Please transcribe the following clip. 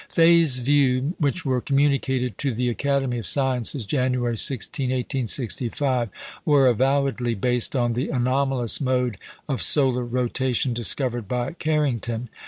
Faye's views, which were communicated to the Academy of Sciences, January 16, 1865, were avowedly based on the anomalous mode of solar rotation discovered by Carrington.